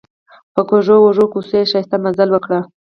په کږو وږو کوڅو یې ښایسته مزل وکړ.